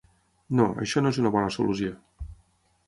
No, això no és una bona solució.